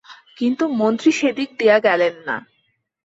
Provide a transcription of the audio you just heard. কিন্তু মন্ত্রী সেদিক দিয়া গেলেন না।